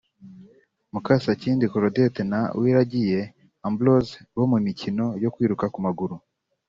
Mukasakindi Claudette na Uwiragiye Ambroise bo mu mikino yo kwiruka ku maguru